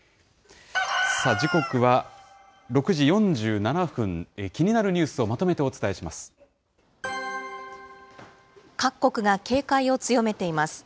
さあ、時刻は６時４７分、気になるニュースをまとめてお伝えしま各国が警戒を強めています。